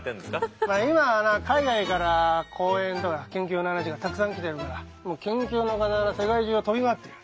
今はな海外から講演とか研究の話がたくさん来てるからもう研究のかたわら世界中を飛び回ってる。